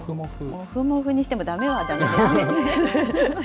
もふもふにしてもだめはだめですね。